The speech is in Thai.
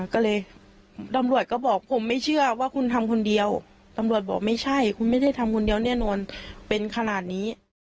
ก็เลยตำรวจก็บอกผมไม่เชื่อว่าคุณทำคนเดียวตำรวจบอกไม่ใช่คุณไม่ได้ทำคนเดียวแน่นอนเป็นขนาดนี้